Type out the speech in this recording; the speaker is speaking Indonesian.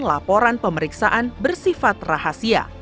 laporan pemeriksaan bersifat rahasia